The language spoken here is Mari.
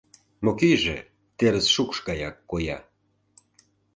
Мокийже терыс шукш гаяк коя.